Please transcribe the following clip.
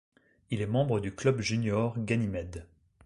Il est membre du club Junior Ganymede.